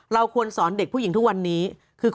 เราควรสอนเด็กผู้หญิงทุกวันนี้คือความเป็นผู้นำ